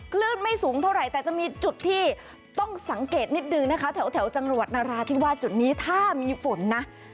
คลื่นไม่สูงเท่าไหร่แต่จะมีจุดที่ต้องสังเกตนิดนึงนะคะแถวจังหวัดนาราธิวาสจุดนี้ถ้ามีฝนนะ